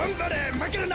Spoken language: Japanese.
まけるな！